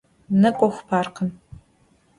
Nêk'ox parkım!